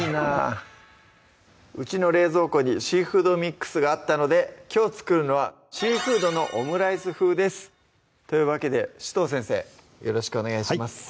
うちの冷凍庫にシーフードミックスがあったのできょう作るのは「シーフードのオムライス風」ですというわけで紫藤先生よろしくお願いします